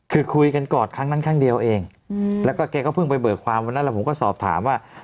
คือคุยกันก่อนครั้งนั้นครั้งเดียวเองแล้วก็แกก็เพิ่งไปเบิกความวันนั้นแล้วผมก็สอบถามว่า